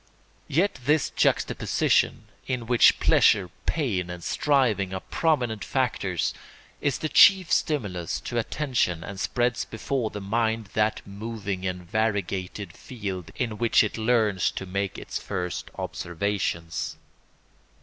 Yet this juxtaposition, in which pleasure, pain, and striving are prominent factors, is the chief stimulus to attention and spreads before the mind that moving and variegated field in which it learns to make its first observations.